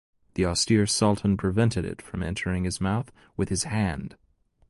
The austere sultan prevented it from entering his mouth with his hand.